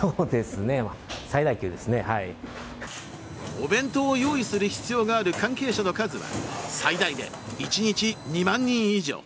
お弁当を用意する必要がある関係者の数は最大で１日２万人以上。